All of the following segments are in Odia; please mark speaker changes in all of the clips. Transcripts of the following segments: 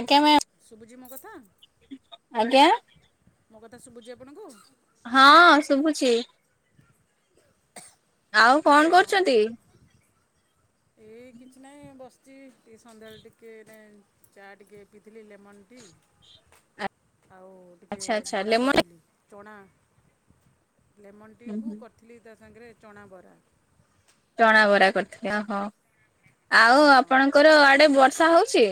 Speaker 1: ଆଜ୍ଞା ମ
Speaker 2: ବୁଝି ମୋ କଥା
Speaker 1: ଆଜ୍ଞା
Speaker 2: ମୋ କଥା ଶୁଭୁଛି ଆପଣଙ୍କୁ
Speaker 1: ହଁ ଶୁଭୁଛି ଆଉ କଣ କରୁଛନ୍ତି
Speaker 2: ଏଇ କିଛି ନାହିଁ ବସିଛି ଟିକେ ସନ୍ଧ୍ୟାବେଳେ ଟିକିେ ଚା ଟିକେ ପିଥିଲଥିଲି ଲେମନ ଟି ଆଉ ଟିକେ
Speaker 1: ଆଚ୍ଛା ଆଚ୍ଛା
Speaker 2: ବରା
Speaker 1: ଲେମନ
Speaker 2: କରିଥିଲି ଚଣା ଲେମନ
Speaker 1: ହୁଁ
Speaker 2: ଟିକୁ
Speaker 1: ହୁଁ।
Speaker 2: କରିଥିଲି ତା ସାଙ୍ଗରେ ଚଣା ବରା
Speaker 1: ଚଣା ବରା କରିଥିଲେହୋ ଆଉ
Speaker 2: ହଁ
Speaker 1: ଆପଣଙ୍କର ଆଡେ ସା ହଉଛି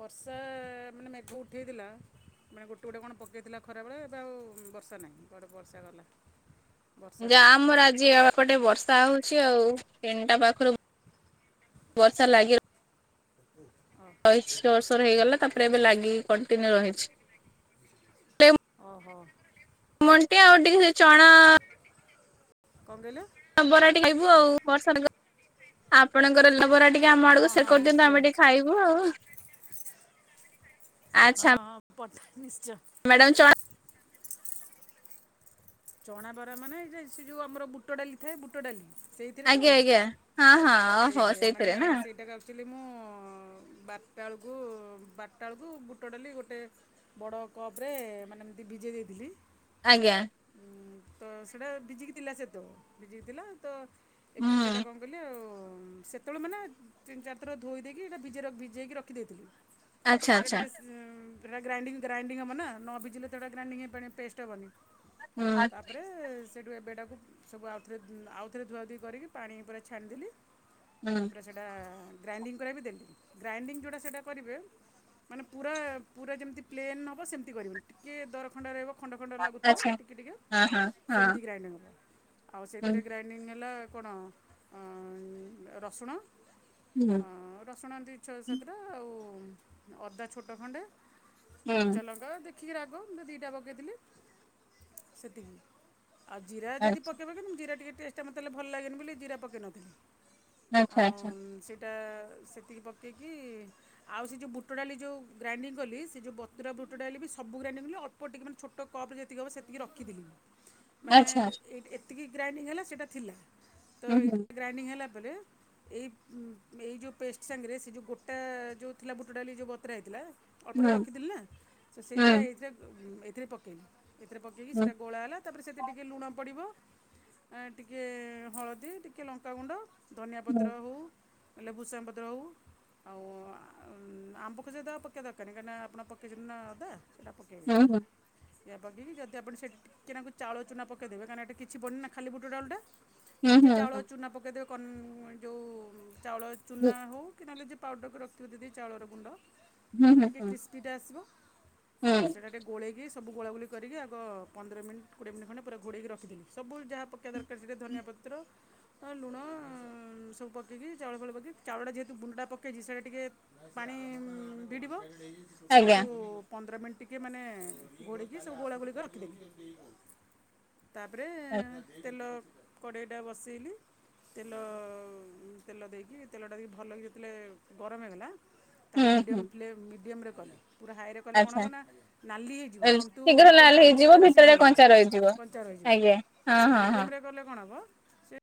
Speaker 2: ବର୍ଷା ମାନେ ମେଘ ଉଠେଇଥିଲା ମାନେ ଗୋଟେ ଗୋଟେ କଣ ପକାଇଥିଲା ଖରାବେଳେ ବା ଆଉ ବର୍ଷା ନାହିଁ କୁଆଡ଼େ ବର୍ଷା ଗଲା ବର୍ଷା
Speaker 1: ଯା
Speaker 2: ନାହିଁ
Speaker 1: ଆମର ଆଜି ଗଟେ ବର୍ଷା ହଉଛି ଆଉ ଫେନ୍ଟା ପାଖରୁ ବର୍ଷା ଲାଗି ର
Speaker 2: ଓ
Speaker 1: କଇ ଛ ବର୍ଷର ହେଇଗଲା ତାପରେ ଏବେ ଲାଗିକି କଣ୍ଟିନ୍ୟୁ ରହିଛି
Speaker 2: ଓହୋ
Speaker 1: ଣ୍ଟିେ ଆଉ ଟିକ ସେ ଚଣା
Speaker 2: କଣ କହିଲ
Speaker 1: ତ ବରାଟି ଖାଇବୁ ଆଉ ବର୍ଷ ଆପଣଙ୍କର ଲୋବରା ଟିକେ ଆମ
Speaker 2: ହଁ
Speaker 1: ଆଡକୁ ସେ
Speaker 2: ହଁ
Speaker 1: କରିଦିଅନ୍ତୁ
Speaker 2: ନିଶ୍ଚୟ
Speaker 1: ଆମେ ଟିକେ ଖାଇବୁ ଆଉ ହ
Speaker 2: ହଁ ହଁ ପଠା ନିଶ୍ଚୟ
Speaker 1: ମ୍ୟାଡ଼ାମ ଚା
Speaker 2: ଚଣା ବରା ମାନେ ଏଇ ସେ ଯୋଉ ଆମର ବୁଟ ଡାଲି ଥାଏ ବୁଟ ଡାଲି ସେଇଥିରେ ତ
Speaker 1: ଆଜ୍ଞା ଆଜ୍ଞା ହଁ ହଁ ଓହୋ ସେଇଥିରେ ନା
Speaker 2: ଖଲି ମୁଁ ବାରଟା ବେଳକୁ ବଟଟା ବେଳକୁ ବୁଟ ଡାଲି ଗୋଟେ ବଡ଼ କପ୍ରେ ମାନେ ଏତେ ବିଜେ ଦେଇଥିଲି
Speaker 1: ଆଜ୍ଞା
Speaker 2: ତ ସେଇଟା ଭିଜିକି ଥିଲା ସେ ତ ଭିଜିକି ଥିଲା ତ ଏବେ ସେଟା
Speaker 1: ହୁଁ
Speaker 2: କଣ କହିଲି ଆଉ ସେତେବେଳେ ମାନେ ତିନି ଚାରିଥର ଧୋଇ ଦେଇକି ଏଇଟା ଭିଜାଇ ଭିଜେଇକି ରଖିଦେଇଥିଲି
Speaker 1: ଆଚ୍ଛା
Speaker 2: ସେଟା
Speaker 1: ଆଚ୍ଛା
Speaker 2: ଟିକିକେ ସେଇଟା ଗ୍ରାଇଙ୍ଗ ଗ୍ରାଇଣ୍ଡିଙ୍ଗ ହେବ ନା ନ ଭିଜିଲେ ସେଇଟା ଗ୍ରାଇଣ୍ଙ୍ଗ ହେଇ ପାଇଁ ପେଷ୍ଟ ହେବି
Speaker 1: ହୁଁ
Speaker 2: ତାପରେ ସେଇଠୁ ଏବେଟାକୁ ସବୁ ଆଉଥରେ ଆଉଥରେ ଧୁଆଧୁୋଇଇ କରିକି ପାଣି ପୁରା ଛାଣିଦେଲି
Speaker 1: ହୁଁ
Speaker 2: ତାପରେ ସେଇଟା ଗ୍ରାଇଣ୍ଡିଙ୍ଗ କର ବି ଦେଲି ଗ୍ରାଇଣ୍ଡିଙ୍ଗ ଯେଉଁଟା ସେଇଟା କରିବେ ମାନେ ପୁରା ପୁରା ଯେମିତି ପ୍ଲେନ୍ ହେବ ସେମିତି କରିବନି ଟିକିେ ଦର ଖଣ୍ଡ ରହିବ ଖଣ୍ଡ ଖଣ୍ଡରେ ଲାଗୁଥିବ
Speaker 1: ଆଚ୍ଛା
Speaker 2: ଟିକେ ଟିକେ
Speaker 1: ହଁ ହଁ ହଁ
Speaker 2: ସେମିତି ଗ୍ରାଇଣ୍ଡିଙ୍ଗ ହେବ ଆଉ
Speaker 1: ହୁଁ
Speaker 2: ସେଥିରେ ଗ୍ରାଇଣ୍ଡିଙ୍ଗ ହେଲା କଣ ରସୁଣ
Speaker 1: ହୁଁ
Speaker 2: ଅ ରସୁଣନ୍ତି ଇଛ ସେଥିଟା ଆଉ ଅଦା ଛୋଟ ଖଣ୍ଡେ
Speaker 1: ହୁଁ
Speaker 2: କଞ୍ଚାଲଙ୍କା ଦେଖିକି ରାଗ ମୁ ଦିଟା ପକେଇଥିଲି ସେତିକି ଆଉ ଜିରା ଯଦ
Speaker 1: ଆଚ୍ଛା
Speaker 2: ପକେଇବେ କି ମୁଁ ଜରା ଟିକେ ଟେଷ୍ଟା ମତେଲେ ଭ ଲାଗନି ବୋଲି ଜିରା ପକେଇ ନଥିଲି
Speaker 1: ଆଚ୍ଛା
Speaker 2: ଆଉ
Speaker 1: ଆଚ୍ଛା
Speaker 2: ସେଇଟା ସେତିକି ପକେଇକି ଆଉ ସେ ଯୋଉ ବୁଟ ଡ଼ାଲି ଯୋଉ ଗ୍ରାଇଣ୍ଡିଙ୍ଗ କଲି ସେ ଯୋଉ ବତୁରା ବୁଟ ଡାଲି ବି ସ ପୁରା ନେଇଗଲି ଅଳ୍ପ ଟିକେ ମାନେ ଛୋଟ କପରେ ଯେ ତିକି ହେବ ସେତିକି ରଖିଥିଲି ମାନେ
Speaker 1: ଆଚ୍ଛା ଆଚ୍ଛା।
Speaker 2: ଏଇ ଏତିକି ଗ୍ରାଇଣ୍ଡିଙ୍ଗ ହେଲା ସେଇଟା ଥିଲା ତ
Speaker 1: ହୁଁ ହୁଁ
Speaker 2: ଏଇଟା ଗ୍ରାଇଣ୍ଡିଙ୍ଗ ହେଲା ପରେ ଏଇ ଏଇ ଯୋଉ ପେଷ୍ଟ ସାଙ୍ଗରେ ସେ ଯୋଉ ଗୋଟା ଯୋଉ ଥିଲା ବୁଟ ଡାଲି ଯୋଉ ବତୁରା ହେଇଥିଲା ଅଳ୍ପ ଟିକେ
Speaker 1: ହୁଁ
Speaker 2: ରଖିଥିଲି ନା ତ ସେଇଥିରେ ଏଇଥିରେ ଏଇଥିରେ ପକେଇଲି। ଏଥିରେ ପକେଇକି
Speaker 1: ହୁଁ
Speaker 2: ସେଇଟା ଗୋଳା ହେଲା ତାପରେ ସେଥିରେ ଟିକେ ଲୁଣ ପଡ଼ିବ ଆ ଟିକେ ହଳଦୀ ଟିକେ ଲଙ୍କାଗୁଣ୍ଡ ଧନିଆ
Speaker 1: ହୁଁ
Speaker 2: ପତ୍ର ହଉ ହେଲେ ଭୃସମ୍ ପତ୍ର ହଉ ଆଉ ଆମ ଆମ୍ବକଶିଆ ଅଦା ଆଉ ପକେଇବା ଦରକାର ନାହିଁ କାଇଁକି ନା ଆପଣ ପକେଇଚନ୍ତି ନା ଅଦା ସେଇଟା
Speaker 1: ହଁ
Speaker 2: ପକେଇବେନି
Speaker 1: ହଁ।
Speaker 2: ଏହା ପକେଇକି ଯଦି ଆପଣ ସେଇଠି ଟିକେନାକୁ ଚାଉଳ ଚୁନା ପକେଇଦେବେ କାହିଁକି ନା ଏଠି କିଛି ପଡିନି ନା ଖାଲି ବୁଟଡାଲିଟା
Speaker 1: ହୁଁ ହୁଁ ହୁଁ
Speaker 2: ଟିକେ ଚାଉଳ
Speaker 1: ହୁଁ
Speaker 2: ଚୁନା ପକେଇଦେବେ କଣ ଯୋଉ ଚାଉଳ ଚୁନା ହଉ କି ନହେଲେ ଯେ ପାଉଡ଼ରକୁ ରଖଥିବ ଯଦି ଚାଉଳର ଗୁଣ୍ଡ
Speaker 1: ହୁଁ ହୁଁ
Speaker 2: ପୁରା
Speaker 1: ହୁଁ
Speaker 2: ଟିକେ
Speaker 1: ହୁଁ
Speaker 2: କ୍ରିସ୍ପିଟା ଆସିବ ବାସ
Speaker 1: ହୁଁ
Speaker 2: ସେଟା ଟିକେ ଗୋଲେଇକି ଗୋଳାଗୋଳି କରିକି ଆଗ ପନ୍ଦର ମିନିଟ କୋଡିଏ ମିନିଟ୍ ଖଣ୍ଡେ ପୁରା ଘୋଡେଇକି ରଖିଥିଲି ସବୁ ଯାହା ପକେଇବା ଦର ଫେର ସେଥିରେ ଧନିଆ ପତ୍ର ଅ ଲୁଣ ସବୁ ପକେଇକି ଚାଉଳ ଫଉଳ ପକେଇକି ଚାଉଳଟା ଯେହେତୁ ଗୁଣ୍ଡଟା ପକାଇଛି ସେଇଟା ଟିକେ ପାଣି ଭିଡ଼ିବ
Speaker 1: ଆଜ୍ଞା
Speaker 2: ସେଟାକୁ ପନ୍ଦର ମିନିଟ୍ ଟିକେ ମାନେ ଘୋଡେଇକି ସବୁ ଗୋଳା ଗୋଳି କରିକି ରଖିଦେଲି ତାପରେ
Speaker 1: ହ
Speaker 2: ତେଲ କଡ଼େଇଟା ବସେଇଲି ତେଲ ତେଲ ଦେଇକି ତେଲ ଟା ଯଦି ଭଲ ଯେତେଲେ ଗରମ ହେଇଗଲା
Speaker 1: ହୁଁ
Speaker 2: ତାକୁ
Speaker 1: ହୁଁ
Speaker 2: ମିଡ଼ିୟମ୍ ଫ୍ଲେମ୍ ମିଡ଼ିୟମରେ କଲି ପୁରା ହାଇରେ କଲେ କଣ ହବ
Speaker 1: ଆଚ୍ଛା
Speaker 2: ନା ନାଲି ହେଇଯିବ
Speaker 1: ଏ
Speaker 2: କିନ୍ତୁ
Speaker 1: ଶୀଘ୍ର
Speaker 2: ଭିତରଟା
Speaker 1: ଲାଲ ହେଇଯିବ
Speaker 2: ଭିତରଟା
Speaker 1: ଭିତରେ
Speaker 2: ସିଝିବନି
Speaker 1: କଞ୍ଚା ରହିଯିବ
Speaker 2: କଞ୍ଚା ରହିଯିବ।
Speaker 1: ଆଜ୍ଞା ହଁ ହଁ ହଁ।
Speaker 2: ମିଡ଼ିୟମରେ କଲେ କଣ ହବ ସେ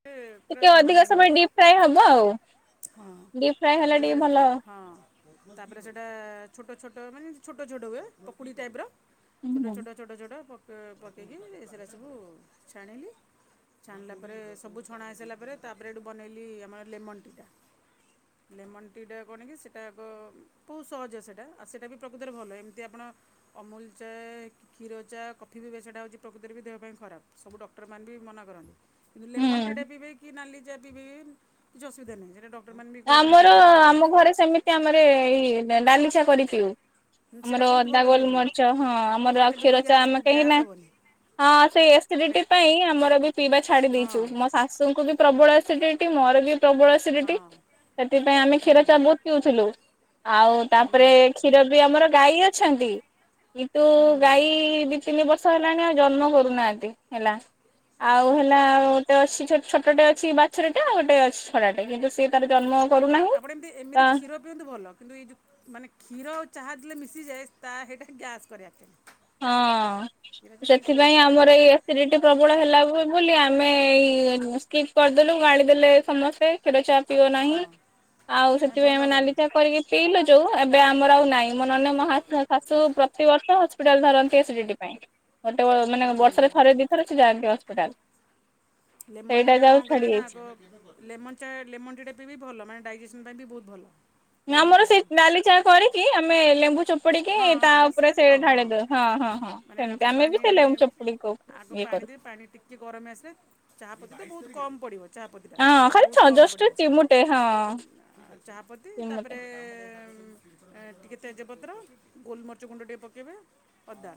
Speaker 2: ପୁରା
Speaker 1: ଟିକେ
Speaker 2: ସମାନ
Speaker 1: ଅଧିକ
Speaker 2: ହେଇକି
Speaker 1: ସମୟ
Speaker 2: ରହିବ।
Speaker 1: ଡିପଫ୍ରାଏ ହବ ଆଉ।
Speaker 2: ହଁ
Speaker 1: ଡିପ୍ ଫ୍ରାଏ ହେଲେ
Speaker 2: ତାପରେ ସେ
Speaker 1: ଟିକେ ଭଲ
Speaker 2: ହଁ ତାପରେ ସେଟା ଛୋଟ ଛୋ ମାନେ ଛୋଟ ଛୋଟ ହୁଏ ପକୁଡି ଟାଇପ ର
Speaker 1: ହୁଁ
Speaker 2: ଛୋଟ
Speaker 1: ହୁଁ
Speaker 2: ଛୋଟ ଛୋଟ ଛୋଟ ଅ ପକେଇକି ସେରା ସବୁ ଛାଣିଲି। ଛାଣିଲା ପରେ ସବୁ ଛଣା ହେଇସାରିଲା ପରେ ତାପରେ ହେଠୁ ବନେଇଲି ଆମର ଲେମନ ଟି ଟା ଲେମନ ଟି ଟା କଣ କି ସେଇଟା ଆଗ ବହୁତ ସହଜ ସେଟା ଆଉ ସେଇଟା ବି ପ୍ରକୃତରେ ଭଲ ଏମିତି ଆପଣ ଅମୁଲ ଚ ରେ କ୍ଷୀର ଚା କଫି ବି ବେ ସେଇଟା ହେଉଛି ପ୍ରକୃତରେ ବି ଦେହ ପାଇଁ ଖରାପ ସବୁ ଡକ୍ଟରମାନେ ବି ମନାକରନ୍ତି। କିନ୍ତୁ ଲେମନ ଟି
Speaker 1: ହୁଁ।
Speaker 2: ଟା ପିବେ କି ନାଲି ଚା ପିବେ କିଛି ଅସୁବିଧା ନାହିଁ ସେଟା ଡକ
Speaker 1: ଆମର ଆମ ଘରେ ସେମିତି ଆମର ଏଇ ନାଲି ଚା କରି ପିଉ।
Speaker 2: ହୁଁ, ସେଇଟା
Speaker 1: ଆମର
Speaker 2: ବହୁତ
Speaker 1: ଅଦା
Speaker 2: ଭଲ ଦେହ ପାଇଁ
Speaker 1: ଗୋଲମରିଚ ହଁ ଆମର
Speaker 2: ସେଇଟା
Speaker 1: ଆଉ
Speaker 2: କେବେ ବି
Speaker 1: କ୍ଷୀରଚା
Speaker 2: ଗ୍ୟାସ୍
Speaker 1: ଆମେ କାହିଁକି
Speaker 2: ଗ୍ୟାସ୍
Speaker 1: ନା
Speaker 2: ହେବନି
Speaker 1: ହଁ ସେଇ
Speaker 2: ସେଇଟା
Speaker 1: ଏସିଡିଟି ପାଇଁ ଆମର ବି ପିଇବା ଛାଡି ଦେଇଛୁ
Speaker 2: ହଁ
Speaker 1: ମୋ ଶାଶୁଙ୍କୁ ବି ପ୍ରବଳ ଏସ ଡିଟି ମୋର ବି ପ୍ରବଳ
Speaker 2: ହଁ
Speaker 1: ଏସିଡିଟି ସେଥିପାଇଁ ଆମେ କ୍ଷୀର
Speaker 2: ହୁଁ
Speaker 1: ଚା ବହୁତ ପିଉଥିଲୁ ଆଉ
Speaker 2: ହୁଁ
Speaker 1: ତାପରେ କ୍ଷୀର ବି ଆମର ଗାଈ ଅଛନ୍ତି କିନ୍ତୁ
Speaker 2: ହୁଁ
Speaker 1: ଗାଈ ଦି ତିନି ବଶ୍ ର୍ଷ ହେଲାଣି ଆଉ ଜନ୍ମ କରୁନାହାନ୍ତି ହେଲା ଆଉ
Speaker 2: ଆଚ୍ଛା ଆଚ୍ଛା
Speaker 1: ହେଲାଉ ଗୋଟେ ଅଛି ଛୋଟଟେ ଅ ଛି ବାଛୁରଟେ ଆଉ ଗୋଟେ ଅଛି ଛଡାଟେ କିନ୍ତୁ ସିଏ ତାର ଜନ୍ମ କରୁନାହିଁ
Speaker 2: ଆପଣ ଏମିତି
Speaker 1: ତ
Speaker 2: ଏମିତି କ୍ଷୀର ପିଅନ୍ତୁ ଭଲ କିନ୍ତୁ ଏଇ ଯୋଉ ମାନେ କ୍ଷୀର ଚାହା ଦେଲେ ମିଶିଯାଏ ତା ହେଇଟା ଗ୍ୟାସ୍ କରାଏ ଆକଚୁଆଲି
Speaker 1: ହଁ ସେଥିପାଇଁ
Speaker 2: ସେଇଟା
Speaker 1: ଆମର ଏଇ ଏସିଡିଟି ପ୍ରବଳ ହେଲାକୁ ଏମ୍ ବୋଲି ଆମେ ଏଇ ସ୍କିପ୍ କରିଦେଲୁ ଗାଳିଦେଲେ ସମସ୍ତେ କ୍ଷୀର ଚା ପିଅନାହିଁ
Speaker 2: ହଁ
Speaker 1: ଆଉ
Speaker 2: ନା
Speaker 1: ସେଥିପାଇଁ
Speaker 2: ଭଲ
Speaker 1: ଆମେ
Speaker 2: କଲେ
Speaker 1: ନାଲିଚା କରିକି ପିଇଲୁ ଯୋଉ ଏବେ ଆମର ଆଉ ନାହିଁ। ଆମର ନହନେ ମହାଶୟ ଶାଶୁ ପ୍ରତିିବର୍ଷ ଅ ଯାଆନ୍ତି ଏସିଡିଟି ପାଇଁ ଗୋଟେ ବ ମାନେ
Speaker 2: ହୁଁ ହୁଁ
Speaker 1: ବର୍ଷରେ ଥରେ ଦିଇ ଥରେ ସିଏ ଯାଆନ୍ତି ହସ୍ପିଟାଲ।
Speaker 2: ଲେମନ
Speaker 1: ସେଇଟା
Speaker 2: ଟି ଟା
Speaker 1: ଯାଉ
Speaker 2: କଣ
Speaker 1: ଛାଡି
Speaker 2: କରିବେ ନା
Speaker 1: ଯାଇଛି।
Speaker 2: ଆଗ ଲେମନ ଚା ଲେମନ ଟି ଟା ପିଇିବେ ଭଲ ମାନେ ଡାଇଜେ ପାଇଁ ବି ବହୁତ ଭଲ। ଲେମନ୍
Speaker 1: ଆମର
Speaker 2: ଟିଟା
Speaker 1: ସେଇ
Speaker 2: ବି
Speaker 1: ନାଲି ଚାହା କରିକି ଆମେ ଲେମ୍ବୁ ଚୋପ ଚିପୁଡିକି
Speaker 2: ହଁ ହଁ
Speaker 1: ତା
Speaker 2: ବାସ୍
Speaker 1: ଉପରେ
Speaker 2: ସେଇଆ ତ
Speaker 1: ସେ ଢାଳି ଦଉ ହଁ ହଁ ହଁ
Speaker 2: ମାନେ ଆଗ
Speaker 1: ସେମିତି ଆମେ
Speaker 2: ପାଣି
Speaker 1: ବି ସେ ଲେମ୍ବୁ ଚପୁଡ଼ିକି ଦଉ
Speaker 2: ଆଗ
Speaker 1: ଇଏ କରି
Speaker 2: ପାଣି ଟିକେ ଗରମ ହେଇ ଆସିଲେ ଚାହା ପତୀ ତ ବହୁତ କମ
Speaker 1: ହଁ ଖାଲି ଛ ଜଷ୍ଟ ଚିମୁଟେ ହଁ।
Speaker 2: ଚାହାପତି
Speaker 1: ଚିମୁଟେ
Speaker 2: ତାପରେ ଏ ଉଁ ଅଁ ଟିକେ ତେଜପତ୍ର ଗୋଲମରିଚ୍ଚ ଗୁଣ୍ଡ ଟିକେ ପକାଇବେ ଅଦା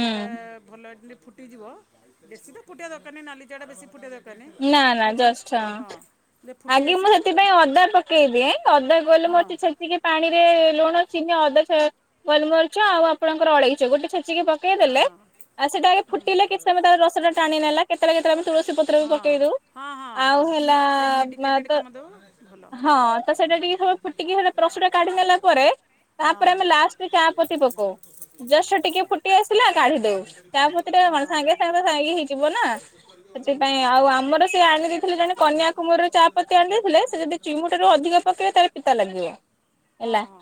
Speaker 2: ସେଇଟା ଭଲ ରେ ଟିକେ ଫୁଟିଯିବ ବେଶୀ ତ ଫୁଟିବା ଦରକାର ନାହି ନାଲି ଚା ଟା ବେଶୀ ଫୁଟିବା ଦରକାର ନାହିଁ
Speaker 1: ନା ନା
Speaker 2: ଯେତେବେଳେ ଫୁ
Speaker 1: ଜଷ୍ଟ ହଁ।
Speaker 2: ଯେତେବେଳେ ଫୁଟି
Speaker 1: ଆଗେ
Speaker 2: ଆସିବ
Speaker 1: ମୁଁ ସେଥିପାଇଁ ଅଦା ପକେଇ ଦିଏ ଅଦା
Speaker 2: ହଁ
Speaker 1: ଗୋଲମୋରିଚ ଛେଚିକି ପାଣିରେ ଲୁଣ ଚିନି ଅଦ ଗୋଲମରିଚ ଆଉ ଆପଣଙ୍କର ଅଳେଇଚ ଗୋଟେ ଛୋ ଚିକି
Speaker 2: ହଁ
Speaker 1: ପକେଇଦେଲେଉ ସେଟା ଆଗେ ଫୁଟିଲେ କିଛି ସମୟ ତାର ରସ ଟା ଟାଣି ନେଲା କେତେଳେ କେତେଳେ ଆମେ ତୁଳସୀ ପତ୍ର ବି
Speaker 2: ହଁ
Speaker 1: ପକେଇ ଦଉ।
Speaker 2: ହଁ ହଁ ହଁ
Speaker 1: ଆଉ ହେଲା
Speaker 2: ତ
Speaker 1: ତ
Speaker 2: ମେଡ଼ିକେଟେଡ଼୍ କାମ ଦେବ ଭଲ।
Speaker 1: ହଁ ତ ସେଇଟା ଟିକେ [unintelligible] କାଢି ନେଲା ପରେ ତାପରେ ଆମେ ଲାଷ୍ଟ ରେ ଚା ପତି ପକଉ ଜଷ୍ଟ ଟିକେ ଫୁଟି ଆସିଲା କାଢି ଦଉ ଚା ପତି ଟା
Speaker 2: ହଁ
Speaker 1: କଣ ସାଙ୍ଗେ ସାଙ୍ଗେ
Speaker 2: ହଁ
Speaker 1: ସାଙ୍ଗ ଇଏ ହେଇଯିବ ନା ସେଥିପାଇଁ ଆଉ ଆପ ଆମର ସେ ଆଣି ଦେଇଥିଲେ ଜଣେ କନ୍ୟାକୁମରୀରୁ ଚା ପତି ଆଣି ଦେଇଥିଲେ ସେ ଯଦି ଚିମୁଟାରୁ ଅଧିକ ପେଇବେ ତାର ପିତା ଲାଗିବ। ଦେବା ହେଲା।
Speaker 2: ହଁ ହଁ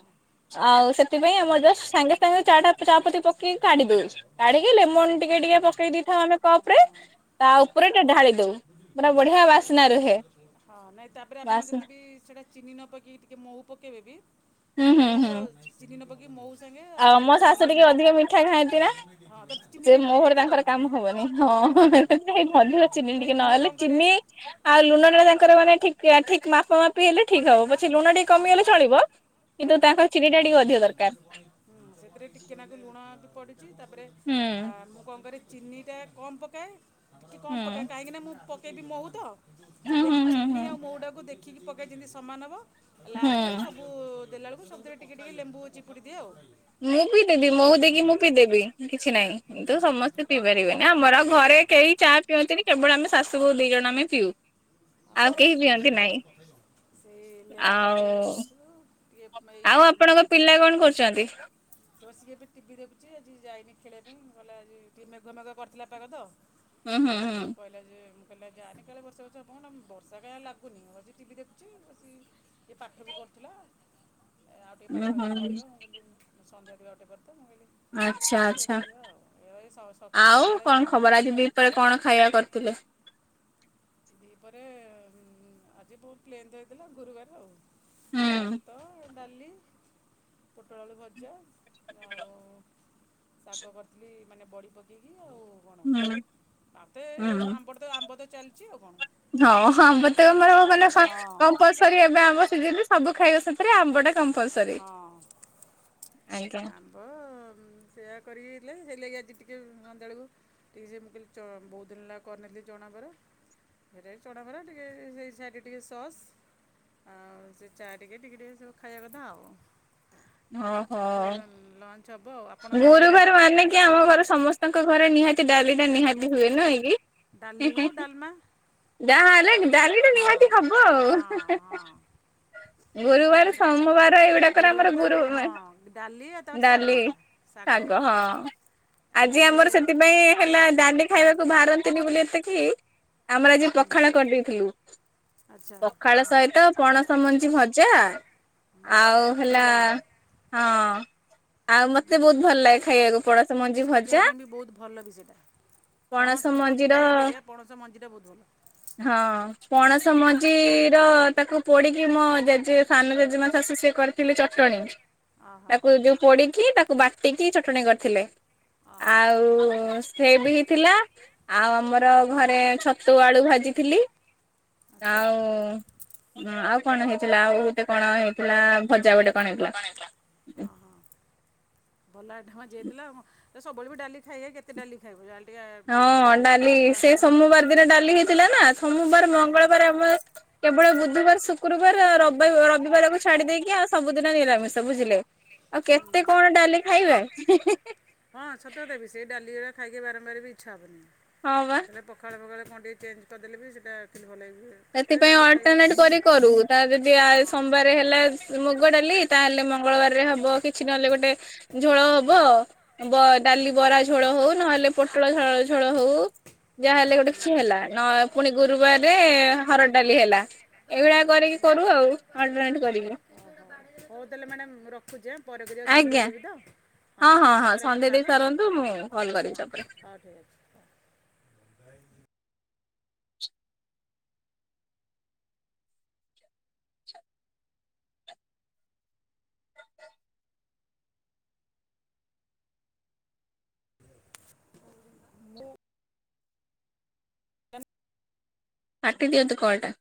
Speaker 1: ଆଉ ସେଥିପାଇଁ ଆମର ଜଷ୍ଟ
Speaker 2: ଯଦି
Speaker 1: ସାଙ୍ଗେ
Speaker 2: ତାଙ୍କର
Speaker 1: ସାଙ୍ଗେ ଚାଟା
Speaker 2: ପୂର୍ବରୁ
Speaker 1: ଚାପତି
Speaker 2: ଯଦି ତାଙ୍କର
Speaker 1: ପକେଇି
Speaker 2: ପେଣ୍ଡିଂ
Speaker 1: କାଢି ଦଉ
Speaker 2: ଥିବ ମାନେ
Speaker 1: କାଢିକି
Speaker 2: ଯୋଉ
Speaker 1: ଲେମନ ଟି ଟିକେ
Speaker 2: ଫୋଟୋଜ
Speaker 1: ଟିକେ ପକେଇ
Speaker 2: କରିବେ
Speaker 1: ଦେଇଥାଉ ଆମେ କପ ରେ
Speaker 2: ହଁ
Speaker 1: ତା
Speaker 2: ହଁ
Speaker 1: ଉପରେ ଏଟା ଢାଳି ଦଉ ମାନେ ବଢିଆ ବାସ୍ନା ରୁହେ।
Speaker 2: ହଁ ନାଇଁ ତାପରେ ଆପଣ
Speaker 1: ବାସ୍ନା
Speaker 2: ଯଦି ବି ସେଇଟା ଚିନି ନ ପକେଇି ଟିକେ ମହୁ ପକେଇବେ ବି
Speaker 1: ହୁଁ ହୁଁ
Speaker 2: ମହୁ
Speaker 1: ହୁଁ।
Speaker 2: ଆଉ ଚିନି ନ ପକାଇକି ମହୁ ସାଙ୍ଗେ
Speaker 1: ଆଉ ମୋ ଶାଶୁ ଟିକେ
Speaker 2: ଲେମ
Speaker 1: ଅଧିକ ମିଠା ଖାଆନ୍ତି ନା
Speaker 2: ଖାଲି ହଁ ତାର ଚିନି
Speaker 1: ସେ
Speaker 2: ଟିକେ
Speaker 1: ମୋ
Speaker 2: ପକାଇବାକୁ
Speaker 1: ଭଳି
Speaker 2: ପଡ଼ିବ
Speaker 1: ତାଙ୍କର କାମ ହବନି ହଁ। ଅହ
Speaker 2: ଆଉ ହଁ
Speaker 1: ହେ ଅଧିକ ଚିନି
Speaker 2: ନାଇଁ
Speaker 1: ଟିକେ
Speaker 2: ମୁଁ
Speaker 1: ନହେଲେ
Speaker 2: କ'ଣ କରେ
Speaker 1: ଚିନି ଆଉ ଲୁଣଟା ତାଙ୍କର ମାନେ ଠିକ ପିଆ ଠିକ ମାପ ମାପି ହେଲେ ଠିକ ହବ [unintelligible] ସେ ଲୁଣ ଟିକେ କମିଗଲେ
Speaker 2: ହଁ
Speaker 1: ଚଳିବ କିନ୍ତୁ
Speaker 2: ଚଳିବ
Speaker 1: ତାଙ୍କର ଚିନି ଟା
Speaker 2: ହଁ
Speaker 1: ଟିକେ
Speaker 2: ନା ନାଇଁ
Speaker 1: ଅଧିକ
Speaker 2: ସେମିତି
Speaker 1: ଦରକାର।
Speaker 2: ପୁଣି ହୁଁ ସେଥିରେ ଟିକେ ନାକୁ ଲୁଣ ବି ପଡିଚି ତାପରେ
Speaker 1: ହୁଁ
Speaker 2: ଆ ମୁଁ କଣ କରେ କି ଚିନିଟା କମ୍ ପକାଏ କି
Speaker 1: ହୁଁ
Speaker 2: କମ୍ ପକାଏ କାହିଁକି ନା ମୁଁ ପକେଇବି ମହୁ ତ
Speaker 1: ହୁଁ ହୁଁ
Speaker 2: ସେଥିଲାଗି
Speaker 1: ହୁଁ
Speaker 2: ଚିନି
Speaker 1: ହୁଁ।
Speaker 2: ଆଉ ମହୁ ଟାକୁ ଦେଖିକି ପକାଏ ଯେମିତି ସମାନ ହବ।
Speaker 1: ହୁଁ
Speaker 2: ଲାଷ୍ଟରେ ସବୁ ଦେଲା ବେଳକୁ ସବୁଥିରେ ଟିକେ ଟିକେ ଲେମ୍ବୁ ଚିପୁଡ଼ି ଦିଏ ଆଉ।
Speaker 1: ମୁଁ ପିଇ
Speaker 2: ହିଁ
Speaker 1: ଦେବି
Speaker 2: ଆପଣ
Speaker 1: ମହୁ ଦେଇକି ମୁଁ
Speaker 2: ଜଣଉଛନ୍ତି
Speaker 1: ପିଇ ଦେବି କିଛି ନାହିଁ
Speaker 2: ମୋତେ
Speaker 1: କିନ୍ତୁ
Speaker 2: ଡିଟେଲ୍ ଦେଲେ
Speaker 1: ସମସ୍ତେ
Speaker 2: କିନ୍ତୁ
Speaker 1: ପିଇ
Speaker 2: କଥା
Speaker 1: ପାରିବେନି ଆମର
Speaker 2: ହିଁ
Speaker 1: ଆଉ ଘରେ ରେ
Speaker 2: କହିଦେବେ
Speaker 1: କେହି ଚାହା ପିଅନ୍ତିନି କେବଳ ଆମେ ଶାଶୁ ବୋହୁ ଦି ଜଣ ଆମେ ପିଉ।
Speaker 2: ଓ
Speaker 1: ଆଉ କେହି ପିଅନ୍ତି ନାହିଁ
Speaker 2: ସିଏ ସେ ଲେମନ ଟି
Speaker 1: ଆଉ
Speaker 2: କୁ
Speaker 1: ଆଉ ଆପଣଙ୍କ ପିଲା କଣ କରୁଚନ୍ତି?
Speaker 2: ତ ସିଏ ଏବେ ଟିଭି ଦେଖୁଚି ଆଜି ଯାଇନି ଖେଳିବା ପାଇଁ କହିଲା ଆଜି ଟିକେ ମେଘୁଆ ମେଘୁଆ କରିଥିଲା ବର୍ଷା ପାଗ ତ
Speaker 1: ହୁଁ ହୁଁ ହୁଁ।
Speaker 2: କହିଲି ଆଜି ଯାଆନି କାଳେ ବର୍ଷା ଫର୍ଷା ହବ ନା ବର୍ଷା କାଇଁ ଆଉ ଲାଗୁନି ବସିକି ଟିଭିି ଦେୁଖୁଚି ବସି ଏ ପାଠ ବି କରୁଥିଲା ଆଉ ଟିକେ
Speaker 1: ଉୁଁ
Speaker 2: ପାଠ
Speaker 1: ହୁଁ
Speaker 2: ଅଛି କରିବ ମୁଁ କହିଲି ମୁଁ ସନ୍ଧ୍ୟା ଦେବି ଆଉ ଟିକେ ପରେ ତ ମୁଁ କହିଲି
Speaker 1: ଆଚ୍ଛା
Speaker 2: ହଉ ସେ
Speaker 1: ଆଚ୍ଛା
Speaker 2: ଦେଖିବା ଆଉ ଏ ସ- ସ-
Speaker 1: ଆଉ
Speaker 2: ସନ୍ଧ୍ୟାବେଳେ
Speaker 1: କଣ ଖବର ଆଜି ଦିପହରେ କଣ ଖାଇବା କରି ଥିଲେ?
Speaker 2: ଦିପହରେ ଆଜି ବହୁ ପ୍ଲେନ୍ ହେଇଥିଲା ଗୁରୁବାର ଆଉ
Speaker 1: ହୁଁ।
Speaker 2: ଭାତ ଡାଲି ପୋଟଳ ଆଳୁ ଭଜା ଆଉ ଶାଗ କରିଥିଲି ମାନେ ବଡି ପକେଇକି। ଆଉ କଣ?
Speaker 1: ହୁଁ
Speaker 2: ମାତେ
Speaker 1: ହୁଁ
Speaker 2: ଆମ୍ବ ଟେ ଆମ୍ବ ତ ଚାଲିଚି ଆଉ କଣ?
Speaker 1: ହଁ ଆମ୍ବ ତ ଆମର ମାନେ
Speaker 2: ହଁ
Speaker 1: କମ୍ପଲସରୀ ଏବେ ଆମ୍ବ ସିଜିନି। ସବୁ ଖାଇବ ସେଥିରେ ଆମ୍ବ ଟା
Speaker 2: ହଁ
Speaker 1: ଆଜ୍ଞା
Speaker 2: ଆମ୍ବ ସେୟା କରିକି ହେଲେ ହେଇଲାଗି ଆଜି ଟିକି ସନ୍ଧ୍ୟାବେଳକୁ ଟିକେ ସେ ଚ ମୁଁ କହିଲି ବହୁତ ଦିନ ହେଲା କରିନଥିଲି ଚଣା ବରା ହେରା ଆଜି ଚଣାବରା ସେଇ ସାଇଟ ରେ ଟିକେ ସସ୍ ଆଉ ସେ ଚା ଟିକେ ଟିକେ ଟିକେ ସବୁ ଖାଇବା କଥା ଆଉ
Speaker 1: ଓହୋ
Speaker 2: ରାତିରେ ତ ଲଞ୍ଚ ହେବ ଆଉ ଆପଣ
Speaker 1: ଗୁରୁ
Speaker 2: ସନ୍ଧ୍ୟାବେଳେ
Speaker 1: ବାରେ ମାନେ କିି ଆମ ଘରେ ସମସ୍ତଙ୍କ ଘରେ ନିହାତି ଡାଲି ଟା ନିହାତି ହୁଏ ନୁହେଁ କି
Speaker 2: ଡାଲି ହଉ ଡଲମା
Speaker 1: ଯାହାହେଲେ ଡାଲିଟା ନିହାତି ହବ
Speaker 2: ହଁ
Speaker 1: ଆଉ।
Speaker 2: ହଁ ଡାଲି
Speaker 1: ଗୁରୁବାର
Speaker 2: ଆଉ ଡାଲମା
Speaker 1: ସୋମବାର ଏଇଗୁଡାକର
Speaker 2: ଗୁରୁବାର
Speaker 1: ଆମର
Speaker 2: ତ
Speaker 1: ଗୁରୁ ମା
Speaker 2: ହଁ ଡାଲି ଆଉ ତାପରେ
Speaker 1: ଡାଲି
Speaker 2: ଶାଗଟା
Speaker 1: ଶାଗ ହଁ। ଆଜି
Speaker 2: ନହେଲେ
Speaker 1: ଆମର ସେଥିପାଇଁ ହେଲା ଡାଲି ଖାଇବାକୁ ବାହାରନ୍ତିନି ବୋଲି ଏତେ କେହି ଆମର ଆଜି ପଖାଳ କରିଦେଇଥିଲୁ
Speaker 2: ଆଚ୍ଛା
Speaker 1: ପଖାଳ
Speaker 2: ହଁ
Speaker 1: ସହିତ ପଣସମଞ୍ଜି ଭ ଜା
Speaker 2: ସେଇଟା
Speaker 1: ଆଉ
Speaker 2: ତ ବହୁତ
Speaker 1: ହେଲା
Speaker 2: ବଢ଼ିଆ ଲାଗେ
Speaker 1: ହଁ। ଆଉ ମତେ ବହୁତ ଭଲ ଲାଗେ ଖାଇବାକୁ
Speaker 2: ନା
Speaker 1: ପଣସମଞ୍ଜି
Speaker 2: ସେଇଟା ଦେହ
Speaker 1: ଭଜା
Speaker 2: ପାଇଁ ବି ବହୁତ ଭଲ ବି ସେଇଟା
Speaker 1: ପଣସ
Speaker 2: ଆପଣ
Speaker 1: ମଞ୍ଜି ର
Speaker 2: ଖାଇବା ଅପେକ୍ଷା ପଣସ ମଞ୍ଜିଟା ବହୁତ ଭଲ
Speaker 1: ହଁ ପଣସ ମ ଞ୍ଜିର ତାକୁ ପୋଡିକି ମୋ ଜେଜେ ସାନ ଜେଜେମା ଶାଶୁ ସିଏ କରିଥିଲି ଚଟଣି
Speaker 2: ଅହ
Speaker 1: ତାକୁ ଯୋଉ ପୋଡିକି ତାକୁ ବାଟିକି ଚଟଣି କରିଥିଲେ।
Speaker 2: ଅହ
Speaker 1: ଆଉ ସେ ବି ହେଇଥିଲା ଆଉ ଆମର ଘରେ ଛତୁ ଆଳୁ ଭାଜିଥିଲି
Speaker 2: ଆଚ୍ଛା
Speaker 1: ଆଉ ଉଁ ଆଉ କଣ ହେଇଥିଲା ଆଉଗୋଟେ କଣ ହେଇଥିଲା ଭଜା ଗୋଟେ କଣ ହେଏଥିଲା।
Speaker 2: ଅହ ଭଲ ଆଇଟମ ଆଜି ହୋଇଥିଲା ସବୁବେଳେ ବି ଡାଲି ଖାଇ ଖାଇ କେତେ ଡାଲି ଖାଇବୁ ଡା
Speaker 1: ହଁ ଡାଲି ସେ ସୋମବାର ଦିନ ଡାଲି ହେଇଥିଲା ନା ସୋମବାର
Speaker 2: ହଁ
Speaker 1: ମଙ୍ଗଳବାର ଆମର କେବଳ ବୁଧବାର ଶୁକ୍ରବାର ରବ ରବିବାରକୁ ଛାଡି ଦେଇେଇକି ଆଉ ସବୁଦିନ ନିରାମିଷ ବୁଝିଲେ। ଆଉ
Speaker 2: ହୁଁ
Speaker 1: କେତେ କଣ ଡାଲି ଖାଇବା।
Speaker 2: ଖାଇ ଖାଇ ବାରମ୍ବାର ବି ଇଚ୍ଛା ହେବନି
Speaker 1: ହଁ ବା।
Speaker 2: କେତେବେଳ ପଖାଳ ଫକାଳ କଣ ଟିକେ ଚେଞ୍ଜ କରିଦେଲେ ବି ସେଟା ଆକଚୁଳି ଭଲ ଲାଗିବ ଖା
Speaker 1: ସେଥିପାଇଁ ଅଲଟରନେଟ କରି କରୁ ତା ଯଦି ଆ ସୋମବାର ହେଲା ମୁଁ ଗ ଡାଲି ତାହେଲେ ମଙ୍ଗଳବାରରେ ହବ କିଛି ନହଲେ ଗୋଟେ ଝୋଳ ହବ ବ ଡାଲି ବରା ଝୋଳ ହଉ ନହେଲେ ପୋଟଳ ଝ ଝୋଳ ହଉ ଯାହାହେଲେ ଗୋଟେ କିଛି ହେଲା ନ ପୁଣି ଗୁରୁବାରରେ
Speaker 2: ହୁଁ।
Speaker 1: ହରଡ ଡାଲି ହେଲା। ଏଇଭଳିଆ କରିକି କରୁ
Speaker 2: ହଉ
Speaker 1: ଆଉ
Speaker 2: ତାହଲେ
Speaker 1: ଅଲଟରନେଟ କରିକି
Speaker 2: ମ୍ୟାଡ଼ାମ ରଖୁଛି ହା। ପରେ କରିିବା ସନ୍ଧ୍ୟା
Speaker 1: ଆଜ୍ଞା
Speaker 2: ଦେବି ତ। ହଁ ପରେ
Speaker 1: ସନ୍ଧ୍ୟା
Speaker 2: କଥା
Speaker 1: ଦେଇ
Speaker 2: ହେବ
Speaker 1: ସାରନ୍ତୁ
Speaker 2: ହଁ
Speaker 1: ମୁଁ କଲ୍ କରିବି
Speaker 2: ହଁ
Speaker 1: ତାପରେ
Speaker 2: ହଉ ଠିକ୍ ଅଛି ହଉ।
Speaker 1: [inaudible] କାଟି ଦିଅନ୍ତୁ କଲ୍ ଟା।